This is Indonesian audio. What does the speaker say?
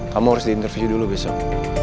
kamu harus diinterview dulu besok